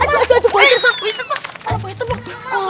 aduh buaya terbang